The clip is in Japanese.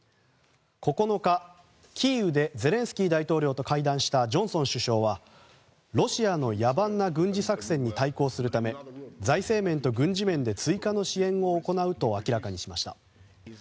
９日、キーウでゼレンスキー大統領と会談したジョンソン首相はロシアの野蛮な軍事作戦に対抗するため財政面と軍事面で追加の支援を行うと明らかにしました。